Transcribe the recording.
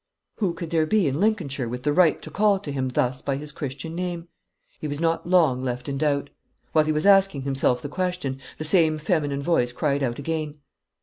Who could there be in Lincolnshire with the right to call to him thus by his Christian name? He was not long left in doubt. While he was asking himself the question, the same feminine voice cried out again.